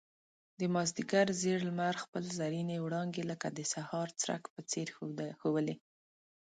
د مازيګر زېړ لمر خپل زرينې وړانګې لکه د سهار څرک په څېر ښوولې.